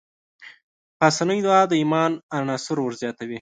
پاسنۍ دعا د ايمان عنصر ورزياتوي.